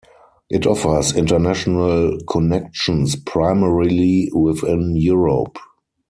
It offers international connections primarily within Europe.